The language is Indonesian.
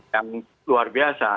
yang luar biasa